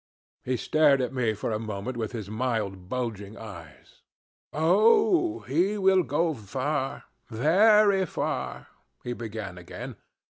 He stared at me for a moment with his mild, bulging eyes. 'Oh, he will go far, very far,' he began again.